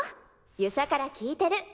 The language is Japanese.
遊佐から聞いてる。